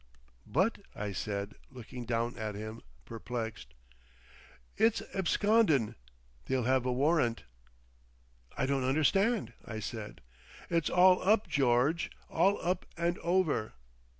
"But" I said, looking down at him, perplexed. "It's abscondin'. They'll have a warrant." "I don't understand," I said. "It's all up, George—all up and over.